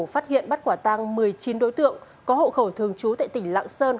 phát hiện bắt quả tăng một mươi chín đối tượng có hộ khẩu thường trú tại tỉnh lạng sơn